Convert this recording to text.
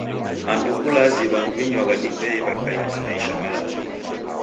Andu kulazi w'andu w'inywagha divei w'akaia na maisha malacha.